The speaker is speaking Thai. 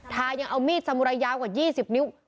ยังเอามีดสมุไรยาวกว่า๒๐นิ้ว